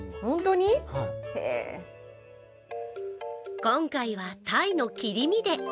今回はタイの切り身で。